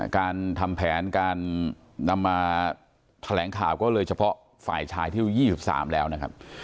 การทำแผนการนำมาแถลงข่าวก็เลยเฉพาะฝ่ายชายที่อายุ๒๓แล้วนะครับ